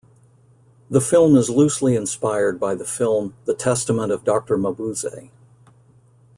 The film is loosely inspired by the film The Testament of Doctor Mabuse.